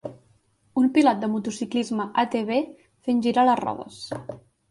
Un pilot de motociclisme ATV fent girant les rodes.